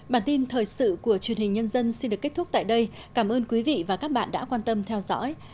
bản tin thời sự của truyền hình nhân dân xin được kết thúc tại đây cảm ơn quý vị và các bạn đã quan tâm theo dõi